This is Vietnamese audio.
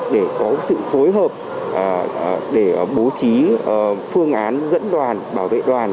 để có sự phối hợp để bố trí phương án dẫn đoàn bảo vệ đoàn